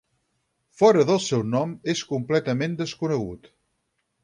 Fora del seu nom, és completament desconegut.